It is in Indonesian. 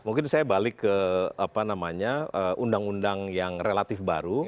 mungkin saya balik ke undang undang yang relatif baru